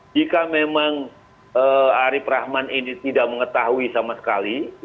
jika memang arief rahman ini tidak mengetahui sama sekali